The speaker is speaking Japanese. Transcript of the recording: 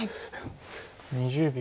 ２０秒。